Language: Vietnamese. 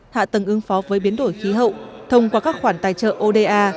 hạ tầng ứng phó với biến đổi khí hậu thông qua các khoản tài trợ oda